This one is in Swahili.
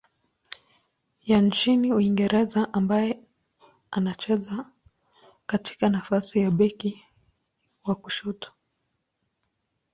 ya nchini Uingereza ambaye anacheza katika nafasi ya beki wa kushoto.